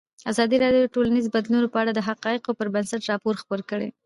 ازادي راډیو د ټولنیز بدلون په اړه د حقایقو پر بنسټ راپور خپور کړی.